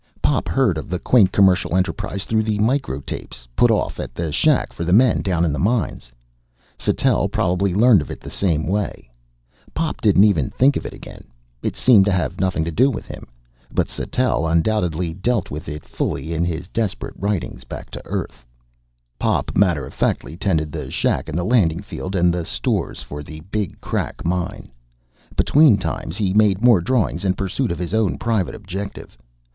Pop heard of the quaint commercial enterprise through the micro tapes put off at the shack for the men down in the mine. Sattell probably learned of it the same way. Pop didn't even think of it again. It seemed to have nothing to do with him. But Sattell undoubtedly dealt with it fully in his desperate writings back to Earth. Pop matter of factly tended the shack and the landing field and the stores for the Big Crack mine. Between times he made more drawings in pursuit of his own private objective.